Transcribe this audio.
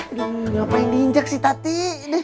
aduh ngapain diinjek sih tati